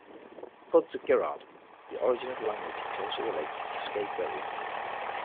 According to Girard, the origin of language is also related to scapegoating.